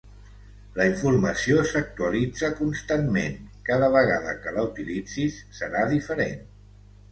La informació s'actualitza constantment, cada vegada que la utilitzis serà diferent.